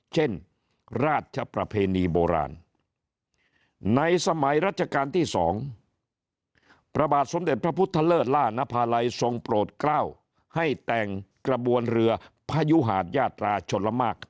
เช่นราชประเพณีโบราณในสมัยรัชกาลที่๒พระบาทสมเด็จพระพุทธเลิศล่านภาลัยทรงโปรดกล้าวให้แต่งกระบวนเรือพยุหาดยาตราชลมาก